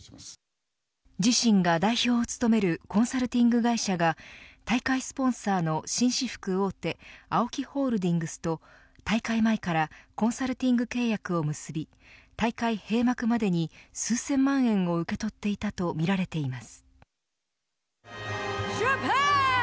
自身が代表を務めるコンサルティング会社が大会スポーンサーの紳士服大手ＡＯＫＩホールディングスと大会前からコンサルティング契約を結び大会閉幕までに数千万円を受け取っていたとみられています。